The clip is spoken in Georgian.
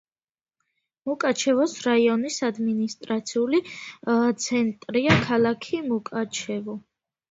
მუკაჩევოს რაიონის ადმინისტრაციული ცენტრია ქალაქი მუკაჩევო.